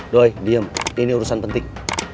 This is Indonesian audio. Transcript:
doi diam ini urusan penting